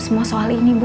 semua soal ini bu